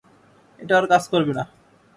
এটা আর কাজ করবে না।